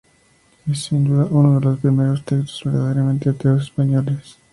Es, sin duda, uno de los primeros textos verdaderamente ateos españoles.